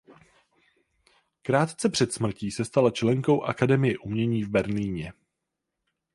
Krátce před smrtí se stala členkou Akademie umění v Berlíně.